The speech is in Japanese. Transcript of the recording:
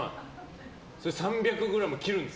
それを３００ｇ切るんです。